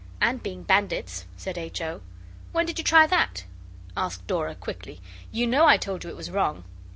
'And being bandits,' said H. O. 'When did you try that?' asked Dora quickly. 'You know I told you it was wrong.